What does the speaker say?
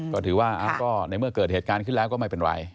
ก็ถือว่าก็ในเมื่อเกิดเหตุการณ์ขึ้นแล้วก็ไม่เป็นไร